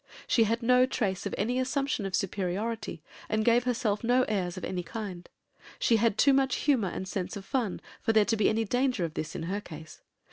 She had no trace of any assumption of superiority, and gave herself no airs of any kind. She had too much humour and sense of fun for there to be any danger of this in her case.